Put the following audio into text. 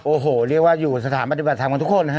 โอ้โหเรียกว่าอยู่สถานปฏิบัติธรรมกันทุกคนนะฮะ